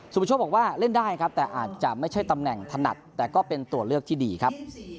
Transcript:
ประโชคบอกว่าเล่นได้ครับแต่อาจจะไม่ใช่ตำแหน่งถนัดแต่ก็เป็นตัวเลือกที่ดีครับ